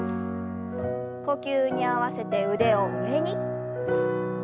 呼吸に合わせて腕を上に。